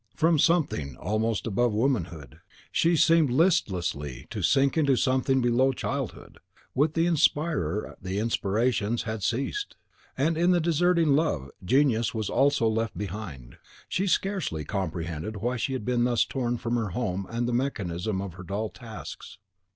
From something almost above womanhood, she seemed listlessly to sink into something below childhood. With the inspirer the inspirations had ceased; and, in deserting love, genius also was left behind. She scarcely comprehended why she had been thus torn from her home and the mechanism of her dull tasks.